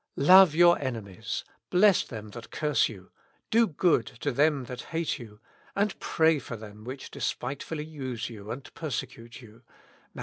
I^ove your enemies, bless them that curse you, do good to them that hate you, and pray for them which despitefully use you, and persecute you ' (Matt.